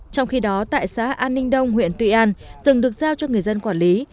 trong khi đó tại xã an ninh đông huyện tuy an rừng được giao cho người dân quản lý